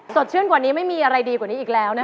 สดชื่นกว่านี้ไม่มีอะไรดีกว่านี้อีกแล้วนะคะ